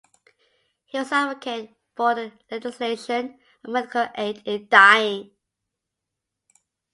He was an advocate for the legalization of medical aid in dying.